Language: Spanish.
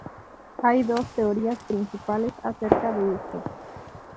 Hay dos teorías principales acerca de esto.